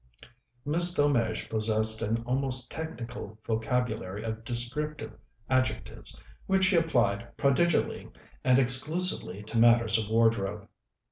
Miss Delmege possessed an almost technical vocabulary of descriptive adjectives which she applied prodigally and exclusively to matters of wardrobe.